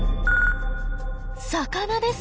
魚です。